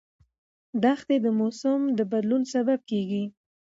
دښتې د موسم د بدلون سبب کېږي.